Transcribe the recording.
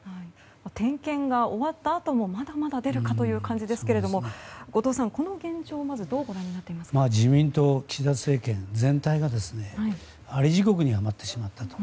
点検が終わったあともまだまだ出るかという感じですけども、後藤さんこの現状、まず自民党、岸田政権全体がアリ地獄にはまってしまったと。